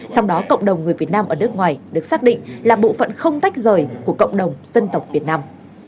trong đó cộng đồng người việt nam ở nước ngoài được xác định là bộ phận không tách rời của cộng đồng dân tộc việt nam